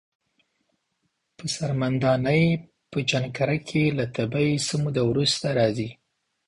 په څرمن دانی په جنکره کښی له تبی څه موده وروسته راځی۔